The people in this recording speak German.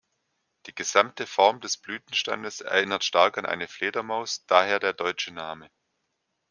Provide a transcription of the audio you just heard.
Die gesamte Form des Blütenstandes erinnert stark an eine Fledermaus, daher der deutsche Name.